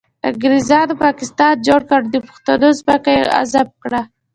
انګریزانو پاکستان جوړ کړ او د پښتنو ځمکه یې غصب کړه